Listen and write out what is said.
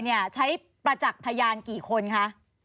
ใช้ประจักษ์พยานกี่คนคะ